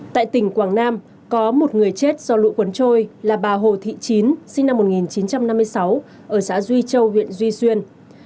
tại tỉnh quảng nam có một người chết do lũ cuốn trôi là bà hồ thị chín sinh năm một nghìn chín trăm năm mươi sáu ở xã duy châu huyện duy xuyên